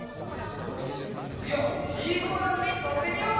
つぎはメリーゴーラウンドにのってみよう！